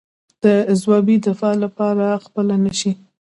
د ځوابي دفاع لاره خپله نه شي.